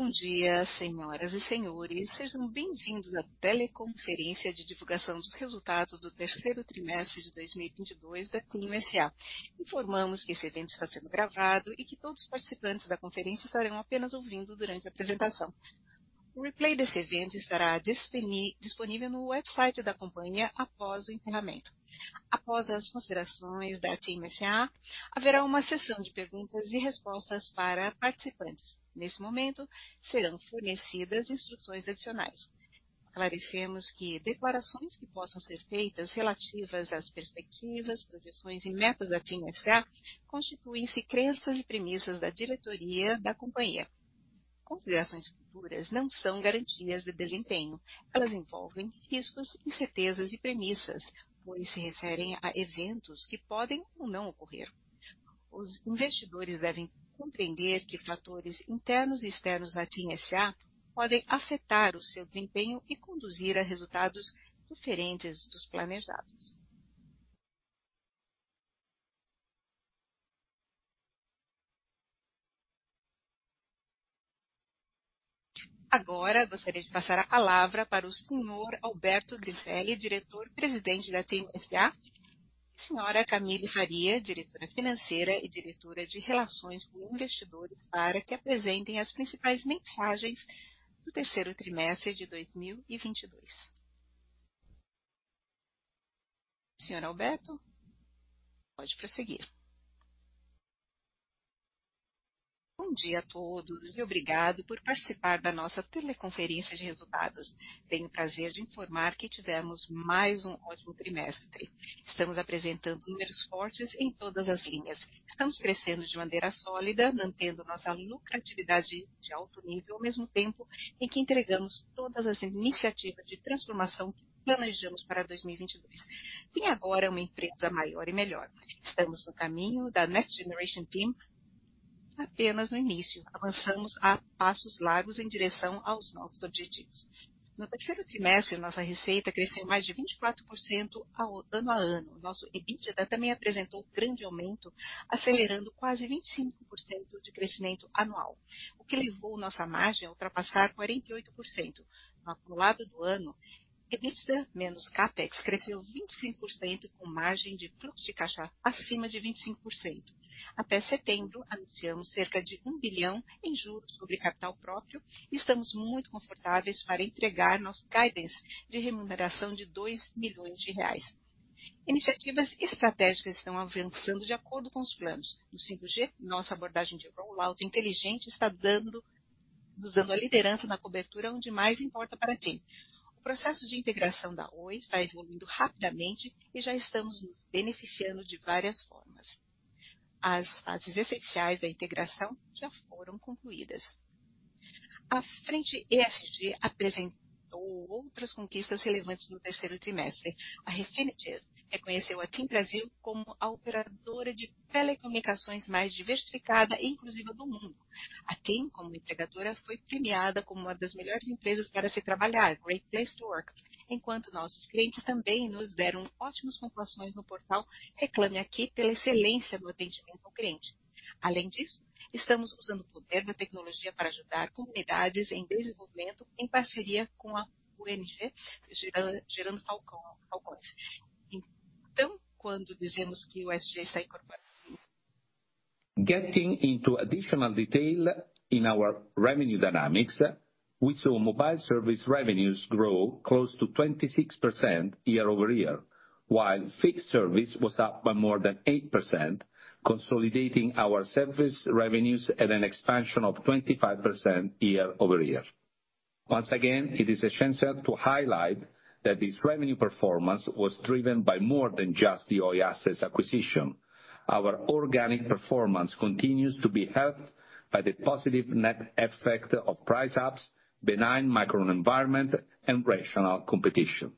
Bom dia, senhoras e senhores. Sejam bem-vindos à teleconferência de divulgação dos resultados do terceiro trimestre de 2022 da TIM S.A. Informamos que esse evento está sendo gravado e que todos os participantes da conferência estarão apenas ouvindo durante a apresentação. O replay desse evento estará disponível no website da companhia após o encerramento. Após as considerações da TIM S.A., haverá uma sessão de perguntas e respostas para participantes. Nesse momento, serão fornecidas instruções adicionais. Esclarecemos que declarações que possam ser feitas relativas às perspectivas, projeções e metas da TIM S.A. constituem-se crenças e premissas da diretoria da companhia. Considerações futuras não são garantias de desempenho. Elas envolvem riscos, incertezas e premissas, pois se referem a eventos que podem ou não ocorrer. Os investidores devem compreender que fatores internos e externos à TIM S.A. podem afetar o seu desempenho e conduzir a resultados diferentes dos planejados. Agora, gostaria de passar a palavra para o senhor Alberto Griselli, Diretor-Presidente da TIM S.A., e senhora Camille Faria, Diretora Financeira e Diretora de Relações com Investidores, para que apresentem as principais mensagens do terceiro trimestre de 2022. Senhor Alberto, pode prosseguir. Bom dia a todos e obrigado por participar da nossa teleconferência de resultados. Tenho o prazer de informar que tivemos mais um ótimo trimestre. Estamos apresentando números fortes em todas as linhas. Estamos crescendo de maneira sólida, mantendo nossa lucratividade de alto nível, ao mesmo tempo em que entregamos todas as iniciativas de transformação que planejamos para 2022. Temos agora uma empresa maior e melhor. Estamos no caminho da Next Generation Team apenas no início. Avançamos a passos largos em direção aos nossos objetivos. No terceiro trimestre, nossa receita cresceu mais de 24% ano a ano. Nosso EBITDA também apresentou grande aumento, acelerando quase 25% de crescimento anual, o que levou nossa margem a ultrapassar 48%. No acumulado do ano, EBITDA menos CapEx cresceu 25%, com margem de fluxo de caixa acima de 25%. Até setembro, anunciamos cerca de 1 bilhão em juros sobre capital próprio e estamos muito confortáveis para entregar nosso guidance de remuneração de 2 milhões reais. Iniciativas estratégicas estão avançando de acordo com os planos. No 5G, nossa abordagem de rollout inteligente está nos dando a liderança na cobertura onde mais importa para a TIM. O processo de integração da Oi está evoluindo rapidamente e já estamos nos beneficiando de várias formas. As fases essenciais da integração já foram concluídas. A Frente ESG apresentou outras conquistas relevantes no terceiro trimestre. A Refinitiv reconheceu a TIM Brasil como a operadora de telecomunicações mais diversificada e inclusiva do mundo. A TIM, como empregadora, foi premiada como uma das melhores empresas para se trabalhar, Great Place to Work, enquanto nossos clientes também nos deram ótimas pontuações no portal Reclame AQUI pela excelência no atendimento ao cliente. Além disso, estamos usando o poder da tecnologia para ajudar comunidades em desenvolvimento em parceria com a ONG Gerando Falcões. Quando dizemos que o ESG está incorporado. Getting into additional detail in our revenue dynamics, we saw mobile service revenues grow close to 26% year-over-year, while fixed service was up by more than 8%, consolidating our service revenues at an expansion of 25% year-over-year. Once again, it is essential to highlight that this revenue performance was driven by more than just the Oi assets acquisition. Our organic performance continues to be helped by the positive net effect of price ups, benign macroenvironment and rational competition.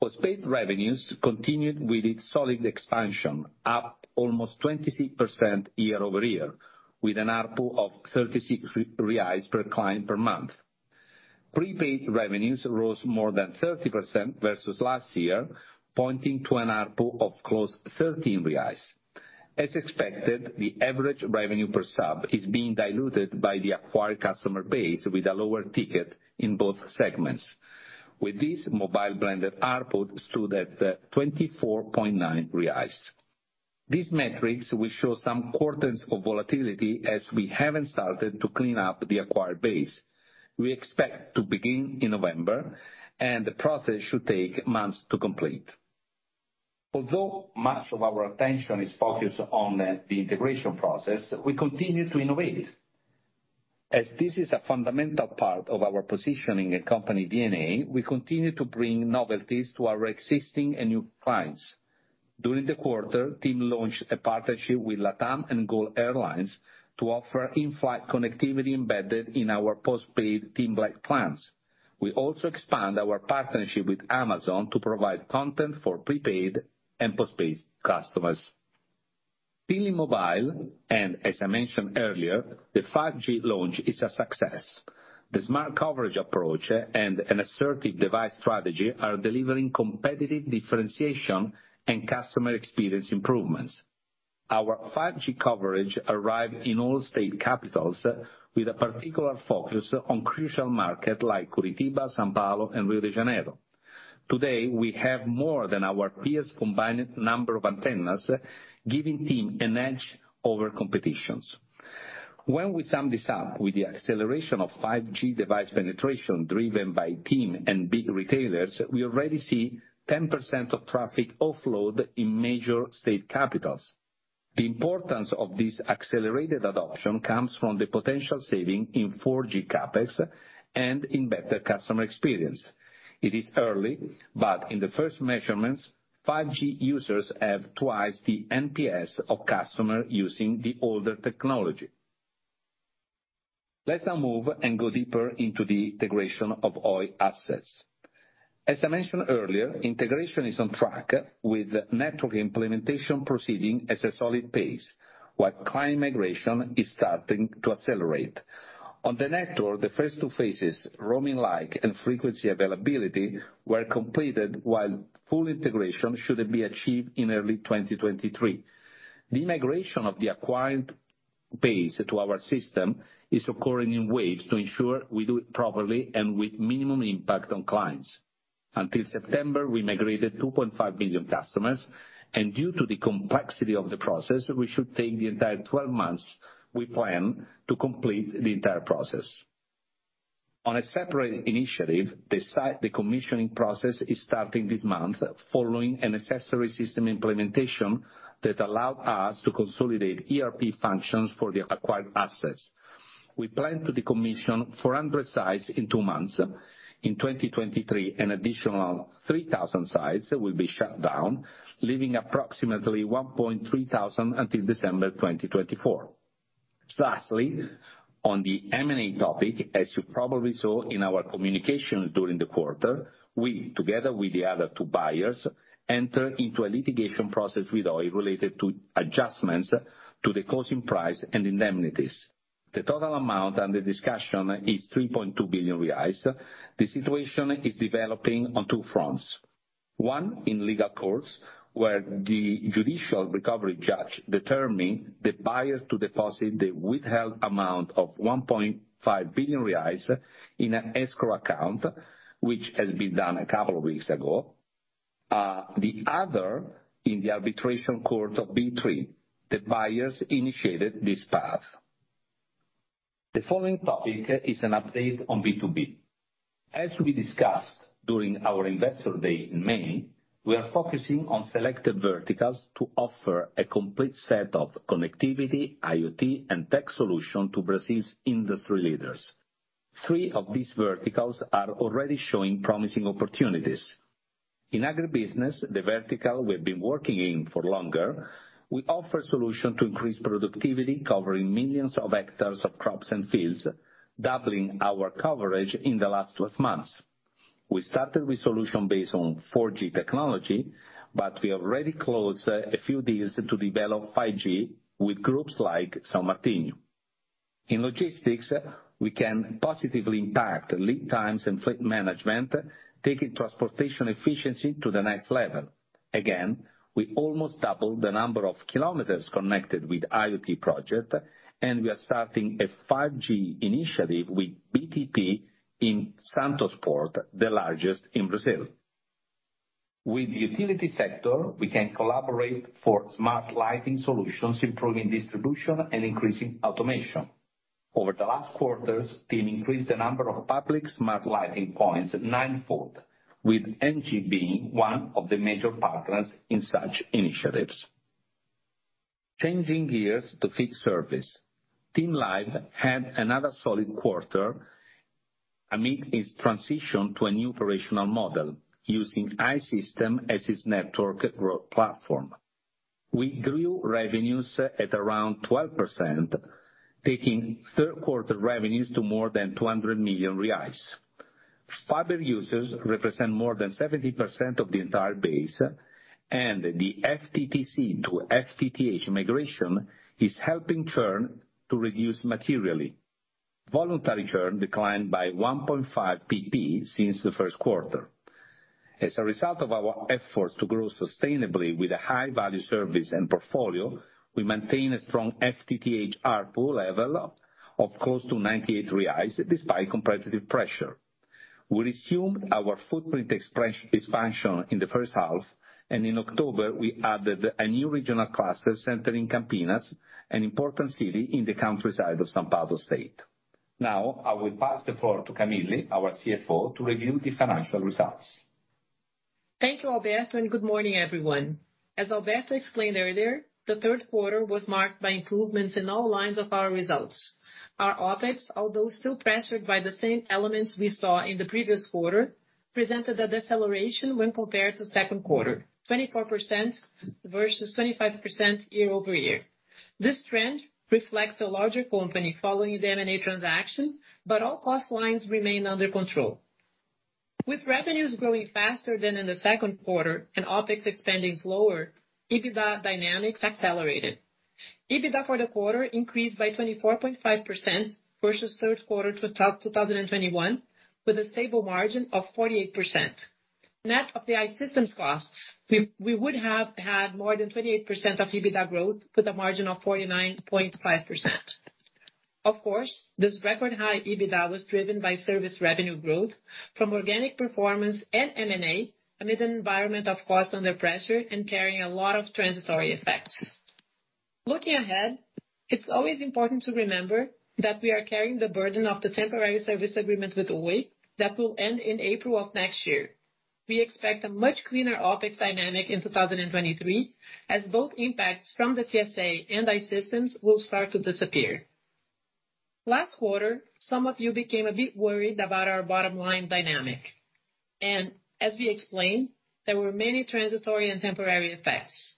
Postpaid revenues continued with its solid expansion, up almost 26% year-over-year, with an ARPU of 36 reais per client per month. Prepaid revenues rose more than 30% versus last year, pointing to an ARPU of close to 13 reais. As expected, the average revenue per sub is being diluted by the acquired customer base with a lower ticket in both segments. With this, mobile blended ARPU stood at 24.9 reais. These metrics will show some quarters of volatility as we haven't started to clean up the acquired base. We expect to begin in November, and the process should take months to complete. Although much of our attention is focused on the integration process, we continue to innovate. As this is a fundamental part of our positioning and company DNA, we continue to bring novelties to our existing and new clients. During the quarter, TIM launched a partnership with LATAM and GOL Airlines to offer in-flight connectivity embedded in our postpaid TIM Black plans. We also expand our partnership with Amazon to provide content for prepaid and postpaid customers. TIM Mobile and, as I mentioned earlier, the 5G launch is a success. The smart coverage approach and an assertive device strategy are delivering competitive differentiation and customer experience improvements. Our 5G coverage arrived in all state capitals with a particular focus on crucial markets like Curitiba, São Paulo and Rio de Janeiro. Today, we have more than our peers' combined number of antennas, giving TIM an edge over competitors. When we sum this up with the acceleration of 5G device penetration driven by TIM and big retailers, we already see 10% of traffic offload in major state capitals. The importance of this accelerated adoption comes from the potential savings in 4G CapEx and in better customer experience. It is early, but in the first measurements, 5G users have twice the NPS of customers using the older technology. Let's now move and go deeper into the integration of Oi assets. As I mentioned earlier, integration is on track with network implementation proceeding at a solid pace, while client migration is starting to accelerate. On the network, the first two phases, roaming like and frequency availability, were completed while full integration should be achieved in early 2023. The migration of the acquired base to our system is occurring in waves to ensure we do it properly and with minimum impact on clients. Until September, we migrated 2.5 billion customers, and due to the complexity of the process, we should take the entire 12 months we plan to complete the entire process. On a separate initiative, the commissioning process is starting this month following a necessary system implementation that allow us to consolidate ERP functions for the acquired assets. We plan to decommission 400 sites in 2 months. In 2023, an additional 3,000 sites will be shut down, leaving approximately 1,300 until December 2024. Lastly, on the M&A topic, as you probably saw in our communication during the quarter, we, together with the other two buyers, enter into a litigation process with Oi related to adjustments to the closing price and indemnities. The total amount under discussion is 3.2 billion reais. The situation is developing on two fronts. One, in legal courts, where the judicial recovery judge determined the buyers to deposit the withheld amount of 1.5 billion reais in an escrow account, which has been done a couple of weeks ago. The other, in the arbitration court of B3. The buyers initiated this path. The following topic is an update on B2B. As we discussed during our investor day in May, we are focusing on selected verticals to offer a complete set of connectivity, IoT, and tech solution to Brazil's industry leaders. Three of these verticals are already showing promising opportunities. In agribusiness, the vertical we've been working in for longer, we offer solution to increase productivity, covering millions of hectares of crops and fields, doubling our coverage in the last 12 months. We started with solution based on 4G technology, but we already closed a few deals to develop 5G with groups like São Martinho. In logistics, we can positively impact lead times and fleet management, taking transportation efficiency to the next level. Again, we almost doubled the number of kilometers connected with IoT project, and we are starting a 5G initiative with BTP in Santos Port, the largest in Brazil. With the utility sector, we can collaborate for smart lighting solutions, improving distribution and increasing automation. Over the last quarters, team increased the number of public smart lighting points ninefold, with NG one of the major partners in such initiatives. Changing gears to fixed service. TIM Live had another solid quarter amid its transition to a new operational model using I-Systems as its network growth platform. We grew revenues at around 12%, taking third quarter revenues to more than 200 million reais. Fiber users represent more than 70% of the entire base, and the FTTC to FTTH migration is helping churn to reduce materially. Voluntary churn declined by 1.5 percentage points since the first quarter. As a result of our efforts to grow sustainably with a high value service and portfolio, we maintain a strong FTTH ARPU level of close to 98 reais despite competitive pressure. We resumed our footprint expansion in the first half, and in October, we added a new regional cluster center in Campinas, an important city in the countryside of São Paulo state. Now, I will pass the floor to Camille, our CFO, to review the financial results. Thank you, Alberto, and good morning, everyone. As Alberto explained earlier, the third quarter was marked by improvements in all lines of our results. Our OpEx, although still pressured by the same elements we saw in the previous quarter, presented a deceleration when compared to second quarter, 24% versus 25% year-over-year. This trend reflects a larger company following the M&A transaction, but all cost lines remain under control. With revenues growing faster than in the second quarter and OpEx expanding slower, EBITDA dynamics accelerated. EBITDA for the quarter increased by 24.5% versus third quarter 2021, with a stable margin of 48%. Net of the I-Systems costs, we would have had more than 28% of EBITDA growth with a margin of 49.5%. Of course, this record high EBITDA was driven by service revenue growth from organic performance and M&A, amid an environment of costs under pressure and carrying a lot of transitory effects. Looking ahead, it's always important to remember that we are carrying the burden of the temporary service agreement with Oi that will end in April of next year. We expect a much cleaner OpEx dynamic in 2023, as both impacts from the TSA and I-Systems will start to disappear. Last quarter, some of you became a bit worried about our bottom line dynamic. As we explained, there were many transitory and temporary effects.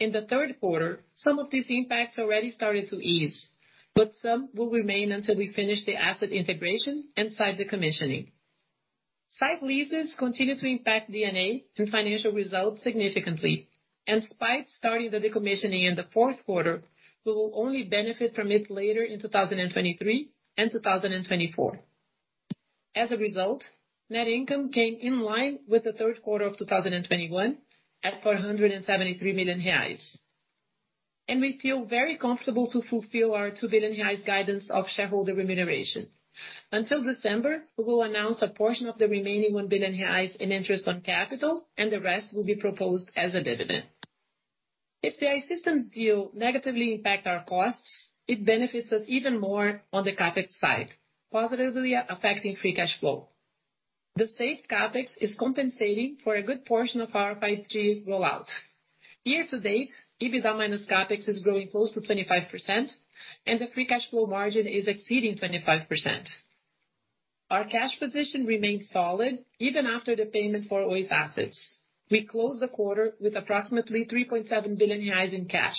In the third quarter, some of these impacts already started to ease, but some will remain until we finish the asset integration and site decommissioning. Site leases continue to impact D&A and financial results significantly. Despite starting the decommissioning in the fourth quarter, we will only benefit from it later in 2023 and 2024. As a result, net income came in line with the third quarter of 2021 at 473 million reais. We feel very comfortable to fulfill our 2 billion reais guidance of shareholder remuneration. Until December, we will announce a portion of the remaining 1 billion reais in interest on capital, and the rest will be proposed as a dividend. If the I-Systems deal negatively impact our costs, it benefits us even more on the CapEx side, positively affecting Free Cash Flow. The saved CapEx is compensating for a good portion of our 5G rollout. Year to date, EBITDA minus CapEx is growing close to 25%, and the Free Cash Flow margin is exceeding 25%. Our cash position remains solid even after the payment for Oi's assets. We closed the quarter with approximately 3.7 billion reais in cash.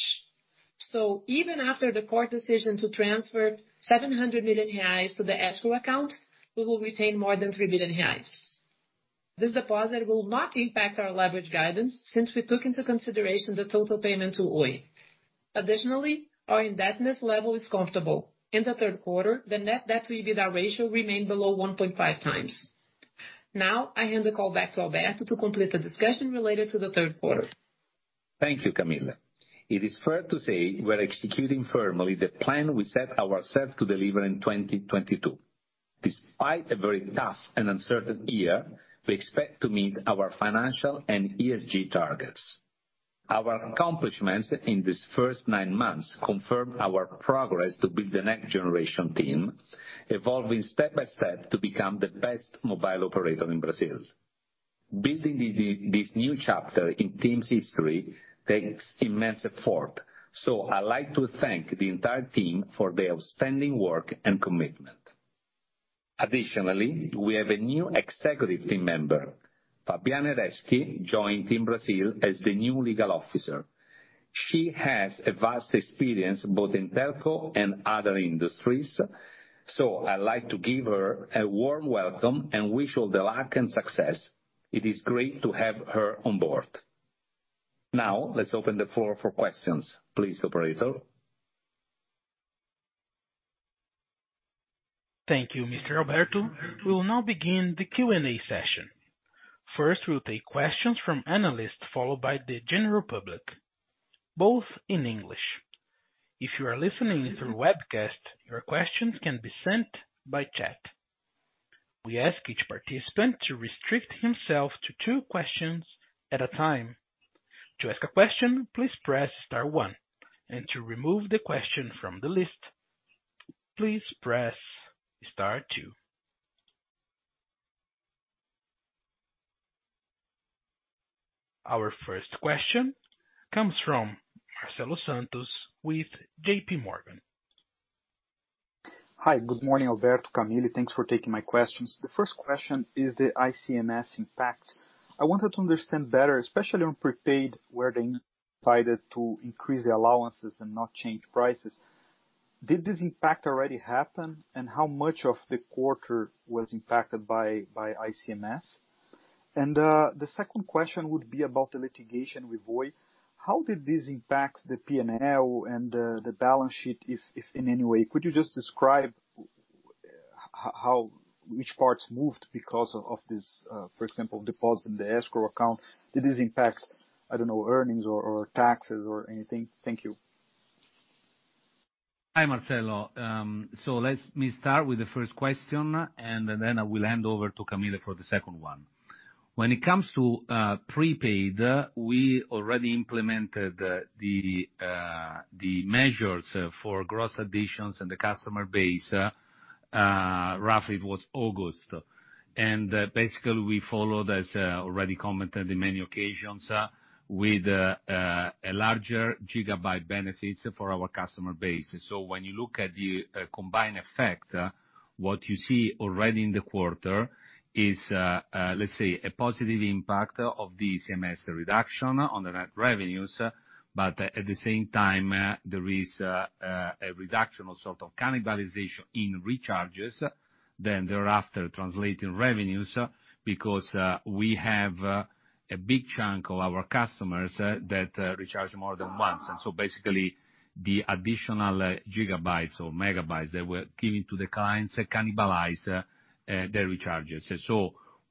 Even after the court decision to transfer 700 million reais to the escrow account, we will retain more than 3 billion reais. This deposit will not impact our leverage guidance since we took into consideration the total payment to Oi. Additionally, our indebtedness level is comfortable. In the third quarter, the net debt to EBITDA ratio remained below 1.5x. Now I hand the call back to Alberto to complete the discussion related to the third quarter. Thank you, Camille. It is fair to say we're executing firmly the plan we set ourselves to deliver in 2022. Despite a very tough and uncertain year, we expect to meet our financial and ESG targets. Our accomplishments in these first nine months confirm our progress to build the Next Generation Team, evolving step by step to become the best mobile operator in Brazil. Building this new chapter in team's history takes immense effort. I'd like to thank the entire team for their outstanding work and commitment. Additionally, we have a new executive team member. Fabiane Reschke joined TIM Brasil as the new legal officer. She has a vast experience both in telco and other industries, so I'd like to give her a warm welcome and wish her the luck and success. It is great to have her on board. Now let's open the floor for questions. Please, operator. Thank you, Mr. Alberto Griselli. We will now begin the Q&A session. First, we'll take questions from analysts, followed by the general public, both in English. If you are listening through webcast, your questions can be sent by chat. We ask each participant to restrict himself to two questions at a time. To ask a question, please press star one. To remove the question from the list, please press star two. Our first question comes from Marcelo Santos with JPMorgan. Hi. Good morning, Alberto, Camille. Thanks for taking my questions. The first question is the ICMS impact. I wanted to understand better, especially on prepaid, where they decided to increase the allowances and not change prices. Did this impact already happen? How much of the quarter was impacted by ICMS? The second question would be about the litigation with Oi. How did this impact the P&L and the balance sheet, if in any way? Could you just describe how which parts moved because of this, for example, deposit in the escrow account? Did this impact, I don't know, earnings or taxes or anything? Thank you. Hi, Marcelo. Let me start with the first question, and then I will hand over to Camille for the second one. When it comes to prepaid, we already implemented the measures for gross additions in the customer base. Roughly it was August. Basically we followed, as already commented in many occasions, with a larger gigabyte benefits for our customer base. When you look at the combined effect, what you see already in the quarter is, let's say a positive impact of the ICMS reduction on the net revenues. At the same time, there is a reduction or sort of cannibalization in recharges, then thereafter translating revenues because we have a big chunk of our customers that recharge more than once. Basically the additional gigabytes or megabytes that were given to the clients cannibalize their recharges.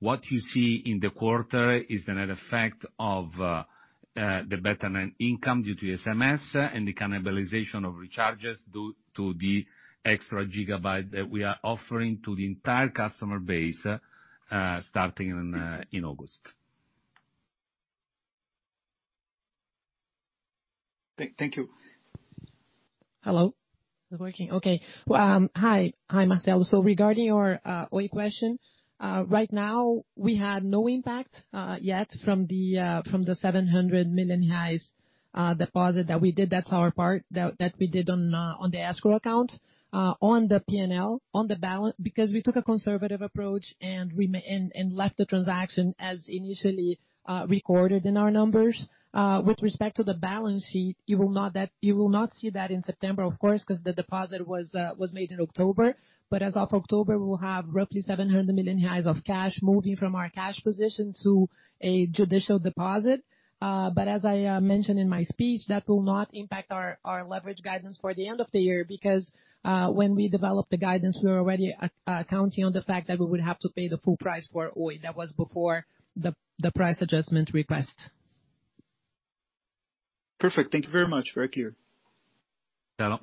What you see in the quarter is the net effect of the better net income due to ICMS and the cannibalization of recharges due to the extra gigabyte that we are offering to the entire customer base, starting in August. Thank you. Hello? Is it working? Okay. Well, hi. Hi, Marcelo. Regarding your Oi question, right now, we have no impact yet from the 700 million deposit that we did. That's our part that we did on the escrow account, on the P&L, because we took a conservative approach, and we left the transaction as initially recorded in our numbers. With respect to the balance sheet, you will not see that in September, of course, because the deposit was made in October. But as of October, we'll have roughly 700 million of cash moving from our cash position to a judicial deposit. As I mentioned in my speech, that will not impact our leverage guidance for the end of the year because when we developed the guidance, we were already accounting for the fact that we would have to pay the full price for Oi. That was before the price adjustment request. Perfect. Thank you very much. Very clear. The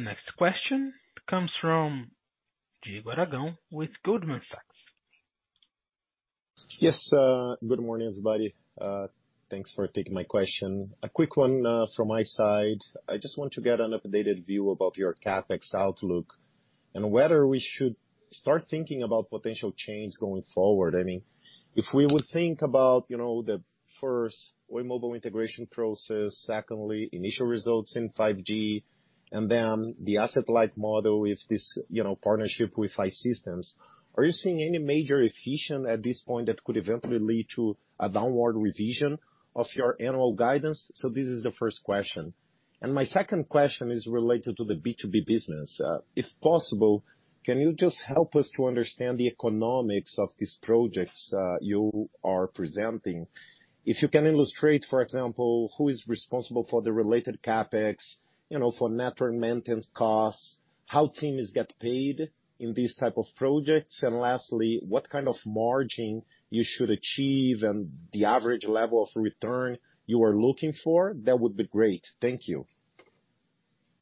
next question comes from Diego Aragao with Goldman Sachs. Yes. Good morning, everybody. Thanks for taking my question. A quick one, from my side. I just want to get an updated view about your CapEx outlook and whether we should start thinking about potential change going forward. I mean, if we would think about, you know, the first Oi mobile integration process, secondly, initial results in 5G, and then the asset light model with this, you know, partnership with I-Systems. Are you seeing any major efficiencies at this point that could eventually lead to a downward revision of your annual guidance? This is the first question. My second question is related to the B2B business. If possible, can you just help us to understand the economics of these projects you are presenting? If you can illustrate, for example, who is responsible for the related CapEx, you know, for network maintenance costs, how TIM's get paid in these type of projects, and lastly, what kind of margin you should achieve and the average level of return you are looking for, that would be great. Thank you.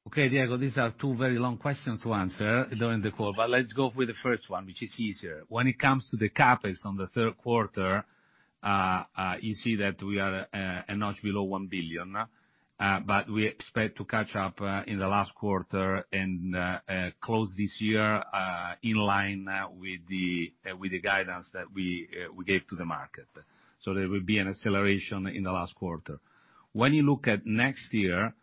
Okay, Diego, these are two very long questions to answer during the call, but let's go with the first one, which is easier. When it comes to the CapEx on the third quarter, you see that we are a notch below 1 billion, but we expect to catch up in the last quarter and close this year in line with the guidance that we gave to the market. There will be an acceleration in the last quarter. When you look at next year,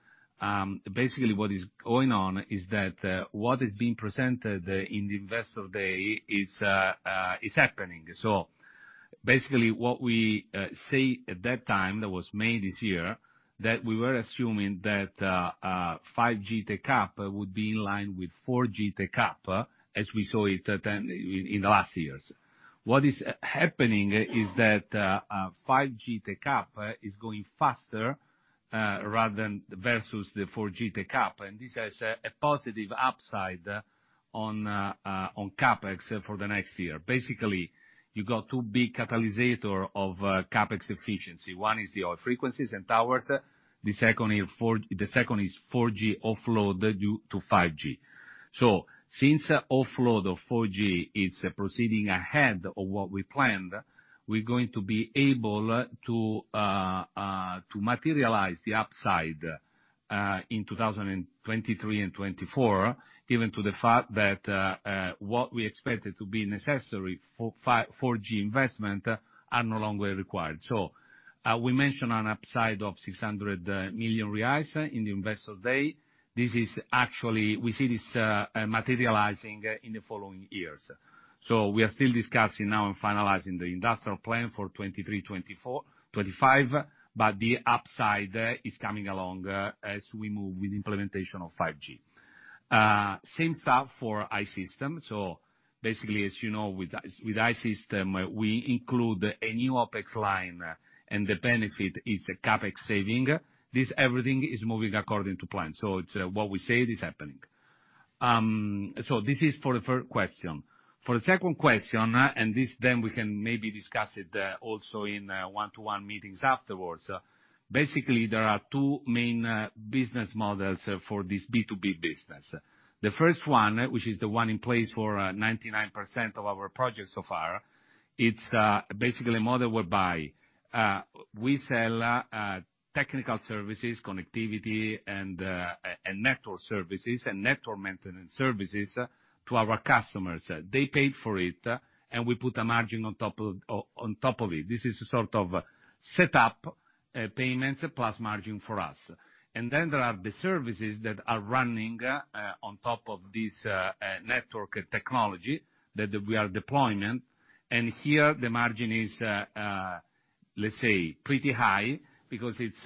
basically what is going on is that what is being presented in Investor Day is happening. Basically what we say at that time, that was May this year, that we were assuming that 5G take-up would be in line with 4G take-up as we saw it then in the last years. What is happening is that 5G take-up is going faster versus the 4G take-up, and this has a positive upside on CapEx for the next year. Basically, you got two big catalysts of CapEx efficiency. One is our frequencies and towers. The second is 4G offload due to 5G. Since offload of 4G is proceeding ahead of what we planned, we're going to be able to to materialize the upside in 2023 and 2024, given the fact that what we expected to be necessary for 4G investment are no longer required. We mentioned an upside of 600 million reais in the Investor Day. This is actually we see this materializing in the following years. We are still discussing now and finalizing the industrial plan for 2023, 2024, 2025, but the upside is coming along as we move with implementation of 5G. Same stuff for I-Systems. Basically, as you know, with I-Systems, we include a new OpEx line, and the benefit is a CapEx saving. Everything is moving according to plan. It's what we say it is happening. This is for the first question. For the second question, this then we can maybe discuss it also in one-to-one meetings afterwards. Basically, there are two main business models for this B2B business. The first one, which is the one in place for 99% of our projects so far, it's basically a model whereby we sell technical services, connectivity and network services and network maintenance services to our customers. They paid for it, and we put a margin on top of it. This is sort of set up payments plus margin for us. Then there are the services that are running on top of this network technology that we are deploying. Here the margin is, let's say, pretty high because it's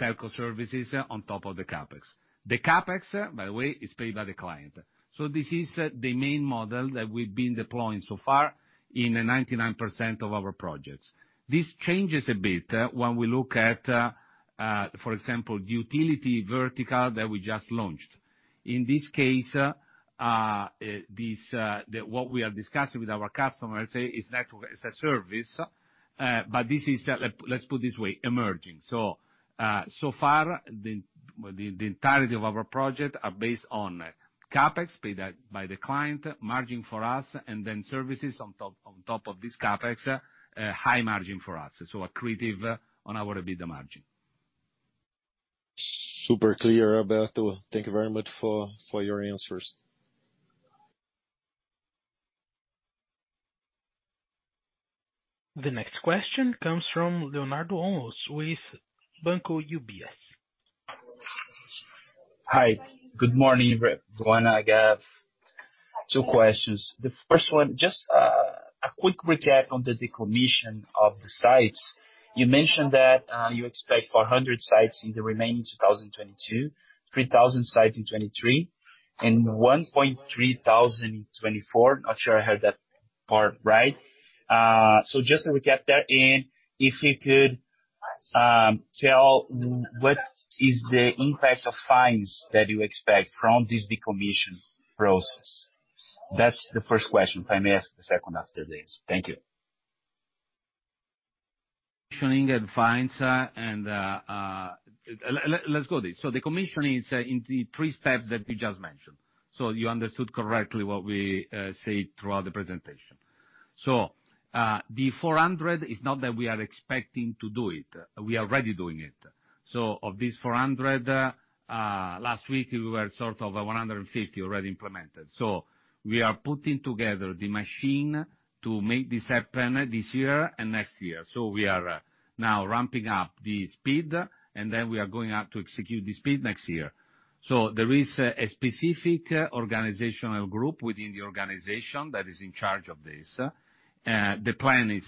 telco services on top of the CapEx. The CapEx, by the way, is paid by the client. This is the main model that we've been deploying so far in 99% of our projects. This changes a bit when we look at, for example, the utility vertical that we just launched. In this case, this what we are discussing with our customers is network as a service. But this is, let's put this way, emerging. So far, the entirety of our projects are based on CapEx paid by the client, margin for us, and then services on top of this CapEx, high margin for us. Accretive on our EBITDA margin. Super clear, Alberto. Thank you very much for your answers. The next question comes from Leonardo Olmos with UBS BB. Hi. Good morning, everyone. I got two questions. The first one, just a quick recap on the decommission of the sites. You mentioned that you expect 400 sites in the remaining 2022, 3,000 sites in 2023, and 1,300 in 2024. Not sure I heard that part right. So just to recap that, and if you could tell what is the impact of fines that you expect from this decommission process. That's the first question. If I may ask the second after this. Thank you. Decommissioning and fines, and let's go with this. Decommissioning is in the three steps that we just mentioned. You understood correctly what we said throughout the presentation. The 400 is not that we are expecting to do it. We are already doing it. Of these 400, last week, we were sort of 150 already implemented. We are putting together the machine to make this happen this year and next year. We are now ramping up the speed, and then we are going out to execute the speed next year. There is a specific organizational group within the organization that is in charge of this. The plan is,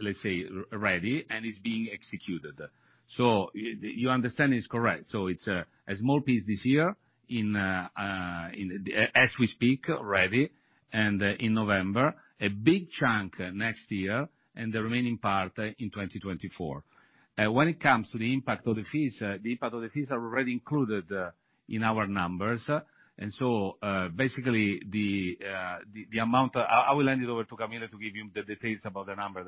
let's say, ready and is being executed. Your understanding is correct. It's a small piece this year in, as we speak already, and in November, a big chunk next year and the remaining part in 2024. When it comes to the impact of the fees, the impact of the fees are already included in our numbers. Basically, the amount I will hand it over to Camille to give you the details about the numbers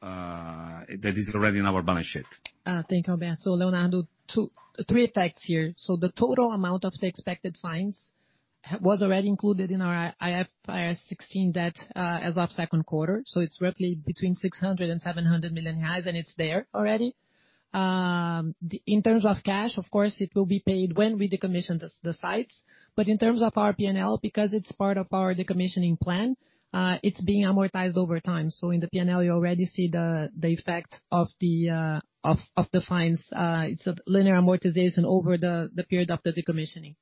that is already in our balance sheet. Thank you, Alberto. Leonardo, two-three effects here. The total amount of the expected fines was already included in our IFRS 16 debt, as of second quarter. It's roughly between 600 million reais and 700 million, and it's there already. In terms of cash, of course, it will be paid when we decommission the sites. In terms of our P&L, because it's part of our decommissioning plan, it's being amortized over time. In the P&L, you already see the effect of the fines. It's a linear amortization over the period of the decommissioning.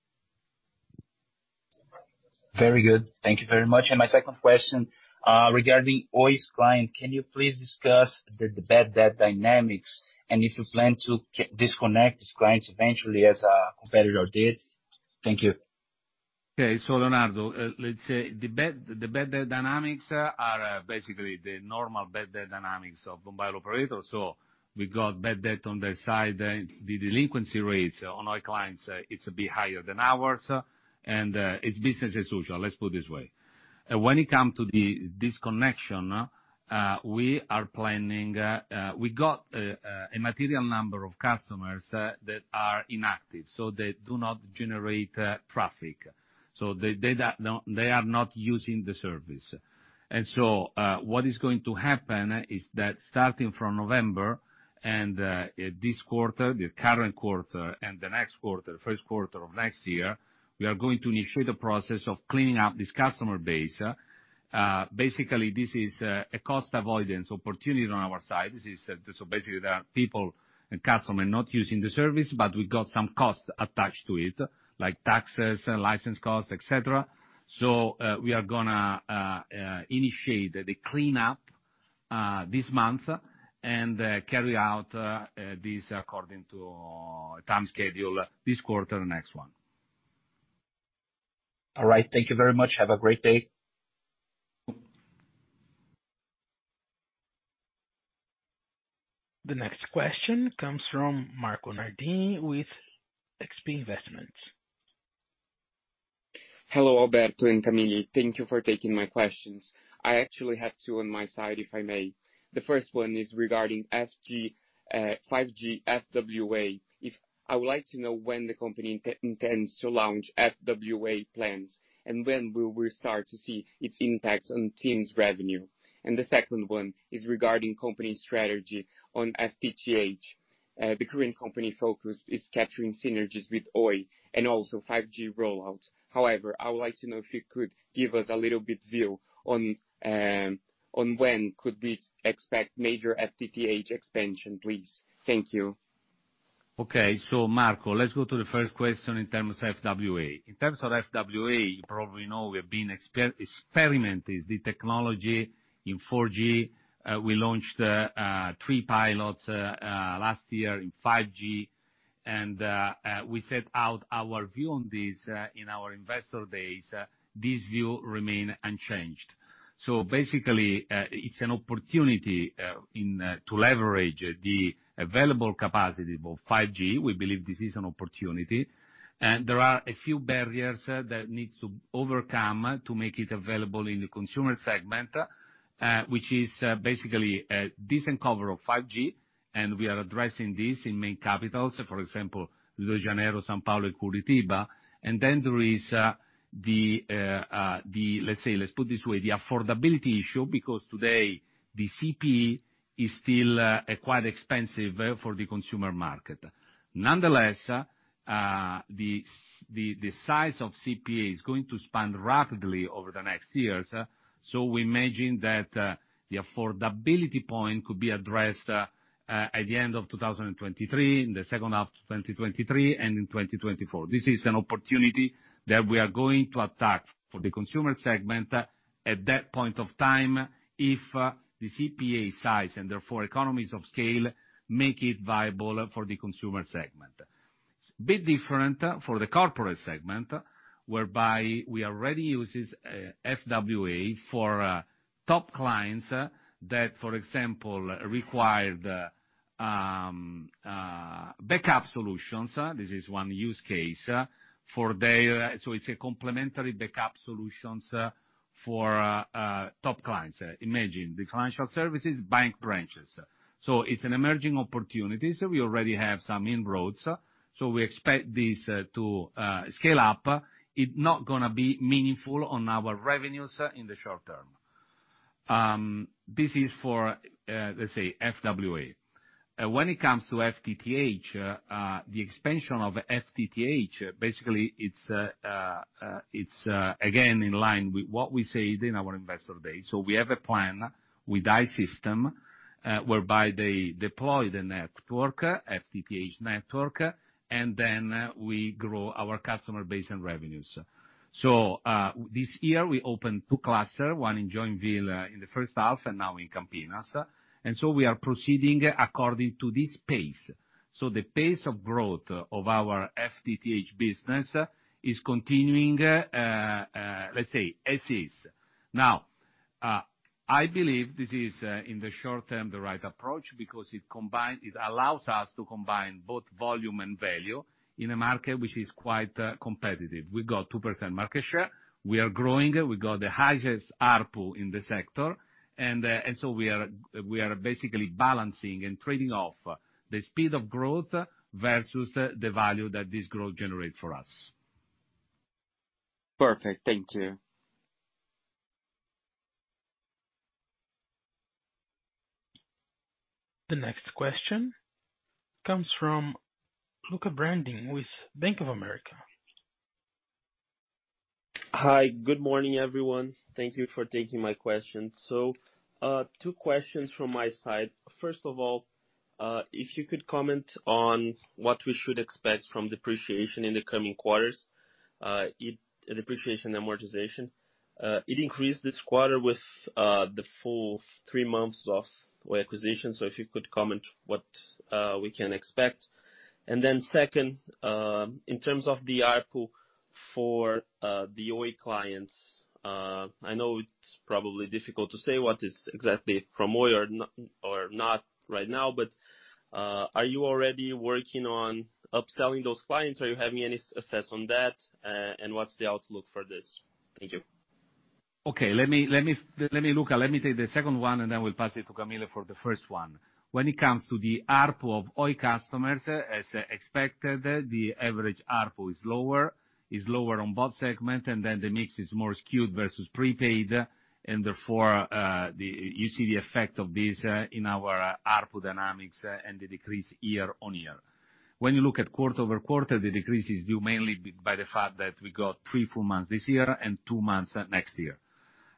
Very good. Thank you very much. My second question, regarding Oi's client, can you please discuss the bad debt dynamics and if you plan to disconnect these clients eventually as a competitor did? Thank you. Okay, Leonardo Olmos, let's say the bad debt dynamics are basically the normal bad debt dynamics of mobile operator. We got bad debt on their side. The delinquency rates on our clients, it's a bit higher than ours, and it's business as usual. Let's put it this way. When it comes to the disconnection, we are planning. We got a material number of customers that are inactive, so they do not generate traffic. They are not using the service. What is going to happen is that starting from November and this quarter, the current quarter and the next quarter, first quarter of next year, we are going to initiate the process of cleaning up this customer base. Basically, this is a cost avoidance opportunity on our side. Basically, there are people and customer not using the service, but we got some costs attached to it, like taxes, license costs, etc. We are gonna initiate the clean up this month and carry out this according to time schedule this quarter, next one. All right. Thank you very much. Have a great day. The next question comes from Marco Nardini with XP Investments. Hello, Alberto and Camille. Thank you for taking my questions. I actually have two on my side, if I may. The first one is regarding 5G FWA. I would like to know when the company intends to launch FWA plans, and when will we start to see its impacts on TIM's revenue? The second one is regarding company strategy on FTTH. The current company focus is capturing synergies with Oi and also 5G rollout. However, I would like to know if you could give us a little bit view on when could we expect major FTTH expansion, please. Thank you. Okay, Marco, let's go to the first question in terms of FWA. In terms of FWA, you probably know we have been experimenting the technology in 4G. We launched three pilots last year in 5G, and we set out our view on this in our investor days. This view remain unchanged. Basically, it's an opportunity to leverage the available capacity of 5G. We believe this is an opportunity. There are a few barriers that needs to overcome to make it available in the consumer segment, which is basically a decent coverage of 5G, and we are addressing this in main capitals, for example, Rio de Janeiro, São Paulo, and Curitiba. Let's say, let's put this way, the affordability issue, because today the CPE is still quite expensive for the consumer market. Nonetheless, the size of CPE is going to expand rapidly over the next years. We imagine that the affordability point could be addressed at the end of 2023, in the second half of 2023 and in 2024. This is an opportunity that we are going to attack for the consumer segment at that point of time, if the CPE size and therefore economies of scale make it viable for the consumer segment. It's a bit different for the corporate segment, whereby we already uses FWA for top clients that, for example, require the backup solutions. This is one use case for the... It's a complementary backup solutions for top clients. Imagine the financial services bank branches. It's an emerging opportunity, so we already have some inroads. We expect this to scale up. It's not gonna be meaningful on our revenues in the short term. This is for, let's say, FWA. When it comes to FTTH, the expansion of FTTH, basically it's again in line with what we said in our investor day. We have a plan with I-Systems, whereby they deploy the network, FTTH network, and then we grow our customer base and revenues. This year, we opened two clusters, one in Joinville, in the first half and now in Campinas. We are proceeding according to this pace. The pace of growth of our FTTH business is continuing, let's say, as is. Now, I believe this is, in the short term, the right approach because it allows us to combine both volume and value in a market which is quite, competitive. We've got 2% market share. We are growing. We got the highest ARPU in the sector, and so we are basically balancing and trading off the speed of growth versus the value that this growth generates for us. Perfect. Thank you. The next question comes from Luca Brendini with Bank of America. Hi, good morning, everyone. Thank you for taking my question. Two questions from my side. First of all, if you could comment on what we should expect from depreciation and amortization in the coming quarters. It increased this quarter with the full three months of Oi acquisition. If you could comment what we can expect. Second, in terms of the ARPU for the Oi clients, I know it's probably difficult to say what is exactly from Oi or not right now, but are you already working on upselling those clients? Are you having any success on that, and what's the outlook for this? Thank you. Okay. Let me, Luca, take the second one, and then we'll pass it to Camille for the first one. When it comes to the ARPU of Oi customers, as expected, the average ARPU is lower on both segments, and then the mix is more skewed versus prepaid and therefore, you see the effect of this in our ARPU dynamics and the decrease year-on-year. When you look at quarter-over-quarter, the decrease is due mainly by the fact that we got three full months this year and two months next year.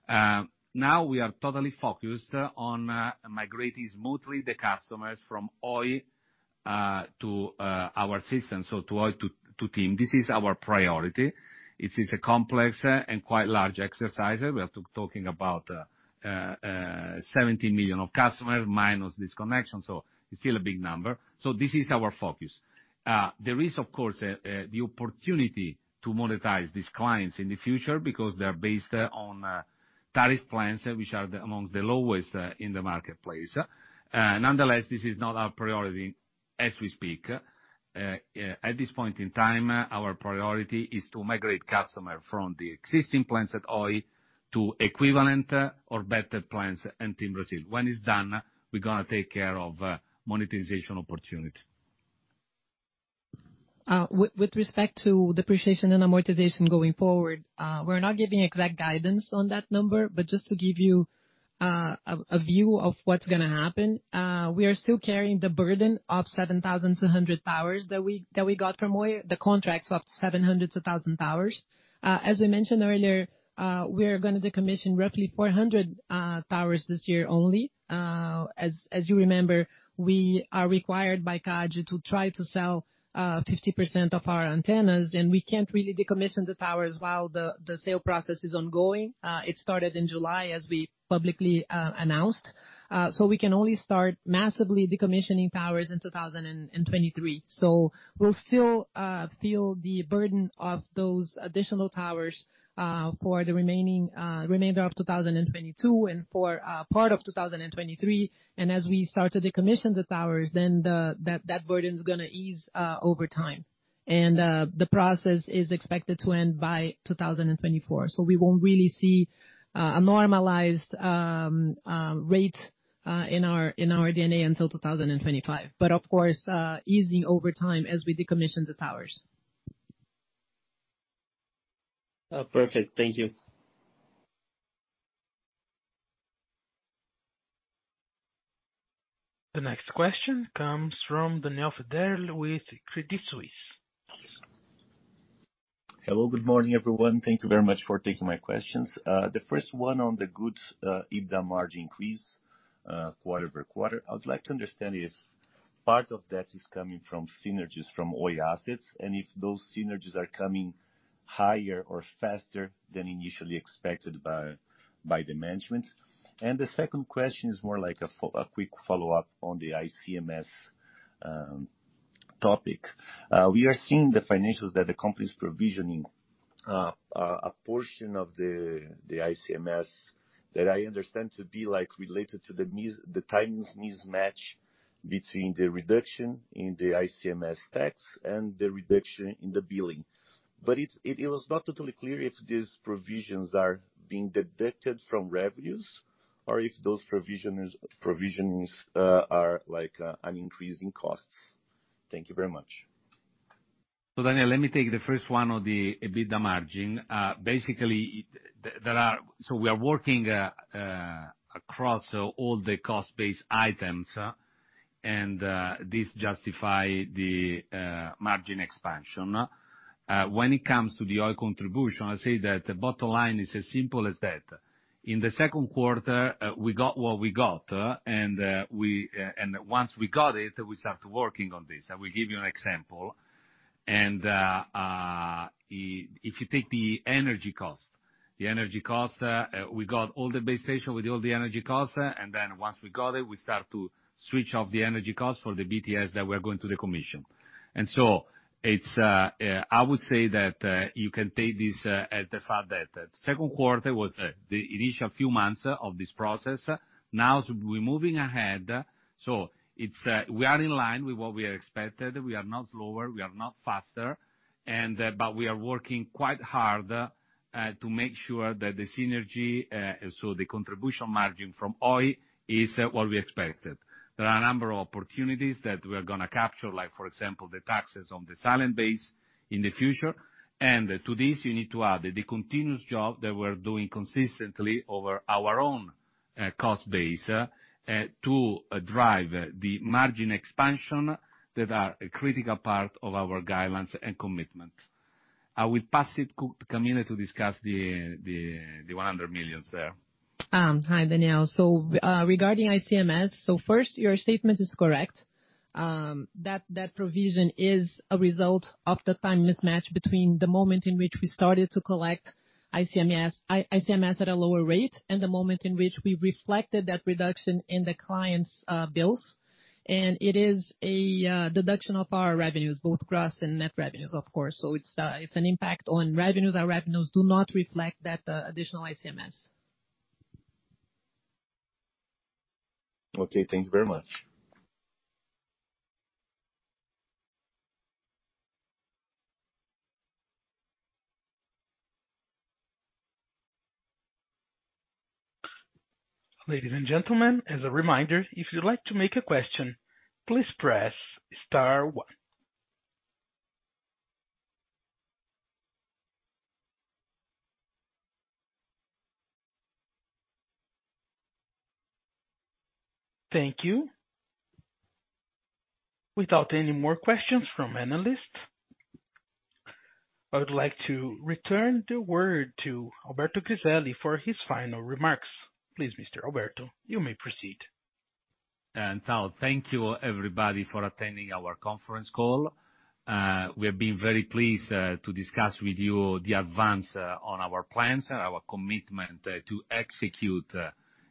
Now we are totally focused on migrating smoothly the customers from Oi to our system, so from Oi to TIM. This is our priority. It is a complex and quite large exercise. We are talking about 70 million of customers minus disconnection, so it's still a big number. This is our focus. There is of course the opportunity to monetize these clients in the future because they're based on tariff plans, which are amongst the lowest in the marketplace. Nonetheless, this is not our priority. As we speak, at this point in time, our priority is to migrate customers from the existing plans at Oi to equivalent or better plans in TIM Brasil. When it's done, we're gonna take care of monetization opportunity. With respect to depreciation and amortization going forward, we're not giving exact guidance on that number, but just to give you a view of what's gonna happen, we are still carrying the burden of 7,200 towers that we got from Oi. The contracts of 700 to 1,000 towers. As we mentioned earlier, we are gonna decommission roughly 400 towers this year only. As you remember, we are required by CADE to try to sell 50% of our antennas, and we can't really decommission the towers while the sale process is ongoing. It started in July, as we publicly announced. We can only start massively decommissioning towers in 2023. We'll still feel the burden of those additional towers for the remaining remainder of 2022 and for part of 2023. As we start to decommission the towers, then that burden's gonna ease over time. The process is expected to end by 2024. We won't really see a normalized rate in our D&A until 2025. Of course, easing over time as we decommission the towers. Perfect. Thank you. The next question comes from Daniel Federle with Credit Suisse. Hello, good morning, everyone. Thank you very much for taking my questions. The first one on the Q2's EBITDA margin increase quarter-over-quarter. I would like to understand if part of that is coming from synergies from Oi assets, and if those synergies are coming higher or faster than initially expected by the management. The second question is more like a quick follow-up on the ICMS topic. We are seeing the financials that the company is provisioning a portion of the ICMS that I understand to be like related to the timings mismatch between the reduction in the ICMS tax and the reduction in the billing. It was not totally clear if these provisions are being deducted from revenues or if those provisions are like an increase in costs. Thank you very much. Daniel, let me take the first one on the EBITDA margin. Basically it there are we are working across all the cost base items and this justify the margin expansion. When it comes to the Oi contribution, I say that the bottom line is as simple as that. In the second quarter, we got what we got and once we got it, we start working on this. I will give you an example. If you take the energy cost. The energy cost, we got all the base station with all the energy costs, and then once we got it, we start to switch off the energy costs for the BTS that we're going to decommission. It's, I would say that you can take this as the fact that second quarter was the initial few months of this process. Now we're moving ahead. It's we are in line with what we are expected. We are not slower, we are not faster, and but we are working quite hard to make sure that the synergy so the contribution margin from Oi is what we expected. There are a number of opportunities that we're gonna capture, like for example, the taxes on the client base in the future. To this, you need to add the continuous job that we're doing consistently over our own cost base to drive the margin expansion that are a critical part of our guidelines and commitment. I will pass it to Camille to discuss the 100 million there. Hi, Daniel. Regarding ICMS. First, your statement is correct, that provision is a result of the time mismatch between the moment in which we started to collect ICMS at a lower rate and the moment in which we reflected that reduction in the clients' bills. It is a deduction of our revenues, both gross and net revenues, of course. It's an impact on revenues. Our revenues do not reflect that additional ICMS. Okay, thank you very much. Ladies and gentlemen, as a reminder, if you'd like to make a question, please press star one. Thank you. Without any more questions from analysts, I would like to return the word to Alberto Griselli for his final remarks. Please, Mr. Alberto, you may proceed. Now thank you everybody for attending our conference call. We have been very pleased to discuss with you the advance on our plans and our commitment to execute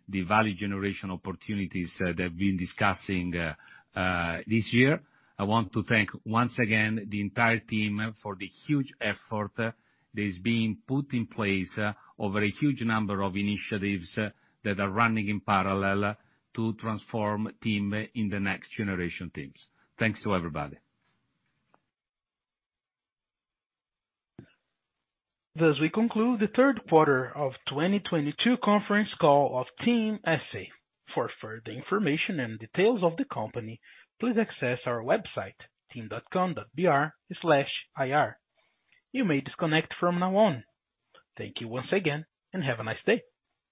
the value generation opportunities that we've been discussing this year. I want to thank once again the entire team for the huge effort that is being put in place over a huge number of initiatives that are running in parallel to transform TIM into the Next Generation Team. Thanks to everybody. Thus, we conclude the third quarter of 2022 conference call of TIM S.A. For further information and details of the company, please access our website, tim.com.br/ri. You may disconnect from now on. Thank you once again, and have a nice day.